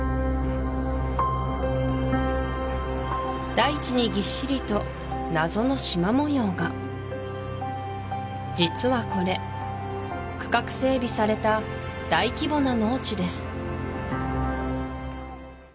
大地にぎっしりと謎の縞模様が実はこれ区画整備された大規模な農地です